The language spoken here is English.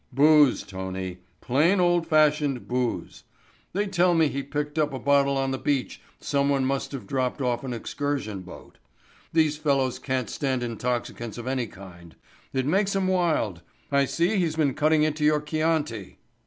"Booze, Tony, plain old fashioned booze. They tell me he picked up a bottle on the beach some one must have dropped off an excursion boat. These fellows can't stand intoxicants of any kind. It makes 'em wild. I see he's been cutting into your Chianti."